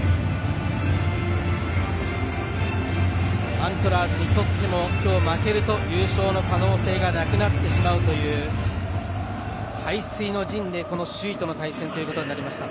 アントラーズにとっても今日負けると優勝の可能性がなくなってしまうという背水の陣で首位との対戦となりました。